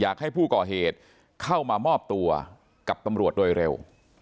อยากให้ผู้ก่อเหตุเข้ามามอบตัวกับตำรวจโดยเร็ว